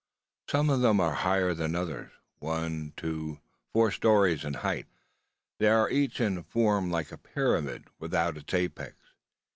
Some of them are higher than others: one, two, four stories in height. They are each in form like a pyramid without its apex.